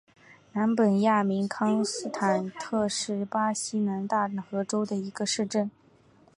南本雅明康斯坦特是巴西南大河州的一个市镇。